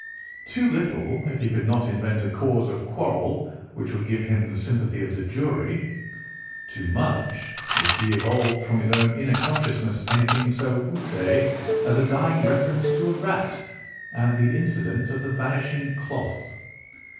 Too little, if he could not invent a cause of quarrel which would give him the sympathy of the jury; too much, if he evolved from his own inner consciousness anything so outré as a dying reference to a rat, and the incident of the vanishing cloth.